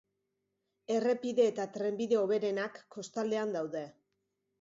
Errepide eta trenbide hoberenak kostaldean daude.